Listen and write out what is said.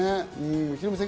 ヒロミさん